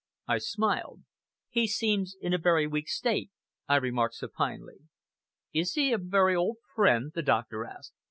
I smiled. "He seems in a very weak state," I remarked supinely. "Is he a very old friend?" the doctor asked.